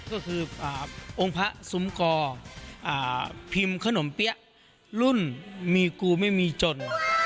ก็คือองค์พระสุมกอพิมพ์ขนมเปี๊ยะรุ่นมีกูไม่มีจน